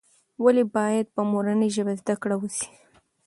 ولې باید په مورنۍ ژبه زده کړه وسي؟